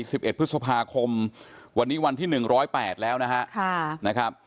สิบเอ็ดพฤษภาคมวันนี้วันที่หนึ่งร้อยแปดแล้วนะฮะค่ะนะครับ